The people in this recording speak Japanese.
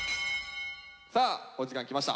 さあお時間きました。